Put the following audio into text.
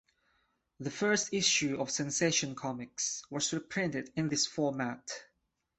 The first issue of "Sensation Comics" was reprinted in this format.